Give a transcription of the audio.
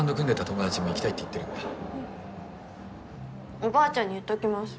おばあちゃんに言っときます。